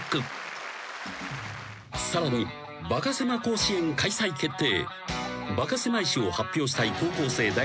［さらにバカせま甲子園開催決定］